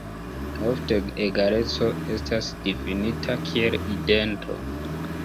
Ofte egaleco estas difinita kiel idento.